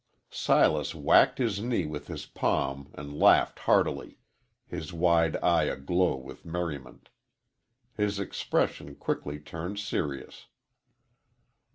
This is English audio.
Silas whacked his knee with his palm and laughed heartily, his wide eye aglow with merriment. His expression quickly turned serious.